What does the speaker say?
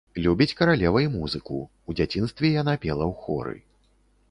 Любіць каралева і музыку, у дзяцінстве яна пела ў хоры.